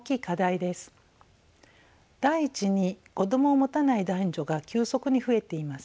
第１に子どもを持たない男女が急速に増えています。